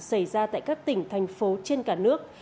xảy ra tại các tỉnh thành phố trên cả nước